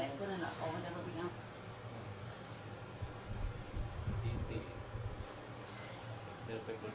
ไอ้คนนี้ทำไมแอ้งแว่งไอ้ลูก